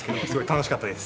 楽しかったです。